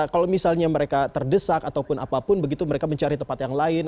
kalau misalnya mereka terdesak ataupun apapun begitu mereka mencari tempat yang lain